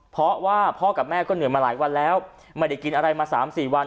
เพราะว่าพ่อกับแม่ก็เหนื่อยมาหลายวันแล้วไม่ได้กินอะไรมา๓๔วัน